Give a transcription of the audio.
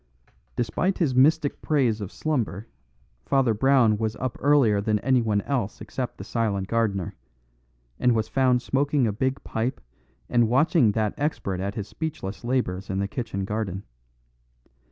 Despite his mystic praise of slumber, Father Brown was up earlier than anyone else except the silent gardener; and was found smoking a big pipe and watching that expert at his speechless labours in the kitchen garden.